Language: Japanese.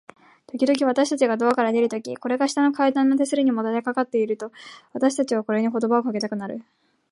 ときどき、私たちがドアから出るとき、これが下の階段の手すりにもたれかかっていると、私たちはこれに言葉をかけたくなる。